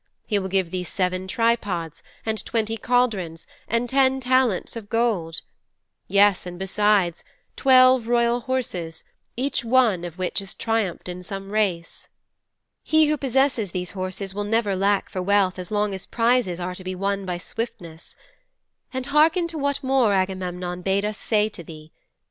He will give thee seven tripods, and twenty cauldrons, and ten talents of gold. Yes, and besides, twelve royal horses, each one of which has triumphed in some race. He who possesses these horses will never lack for wealth as long as prizes are to be won by swiftness. And harken to what more Agamemnon bade us say to thee.